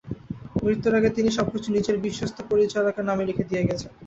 মৃত্যুর আগে তিনি সবকিছু নিজের বিশ্বস্ত পরিচারকের নামে লিখে দিয়ে গেছেন।